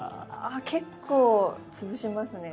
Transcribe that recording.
あ結構潰しますね。